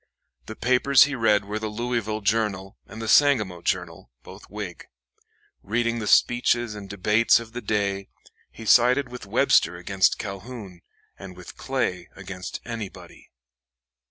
The papers he read were the Louisville "Journal" and the "Sangamo Journal," both Whig. Reading the speeches and debates of the day, he sided with Webster against Calhoun, and with Clay against anybody.